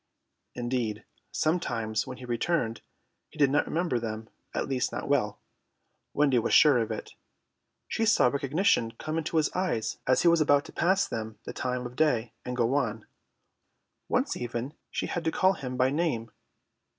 Indeed, sometimes when he returned he did not remember them, at least not well. Wendy was sure of it. She saw recognition come into his eyes as he was about to pass them the time of day and go on; once even she had to call him by name.